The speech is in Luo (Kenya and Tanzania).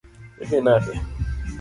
Idhi nade?